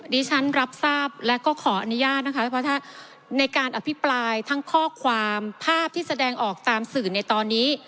ดิฉันรับทราบและก็ขออนุญาตนะคะเพราะถ้าในการอภิปรายทั้งข้อความภาพที่แสดงออกตามสื่อในตอนนี้